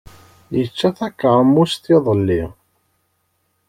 Yečča takeṛmust iḍelli.